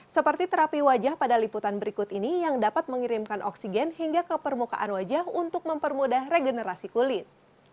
seperti terapi wajah pada liputan berikut ini yang dapat mengirimkan oksigen hingga ke permukaan wajah untuk mempermudah regenerasi kulit